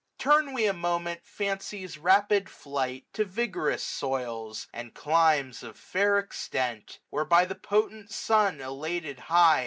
680 Turn we a moment Fancy's rapid flight To vigorous soils, and climes of fair extent j Where, by the potent sun elated high.